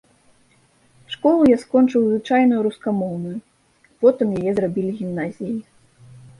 Школу я скончыў звычайную рускамоўную, потым яе зрабілі гімназіяй.